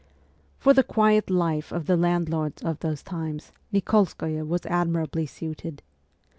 For the quiet life of the landlords of those times Nik61skoye was admirably suited.